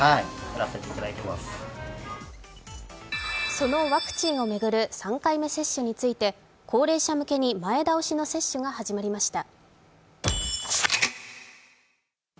そのワクチンを巡る３回目接種について高齢者向けに前倒しの接種が始まりました。